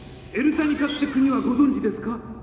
「エルタニカ」って国はご存じですか？